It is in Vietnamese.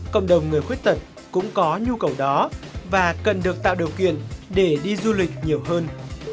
cộng đồng người khuyết tật cũng có nhu cầu đó và cần được tạo điều kiện để đi du lịch nhiều hơn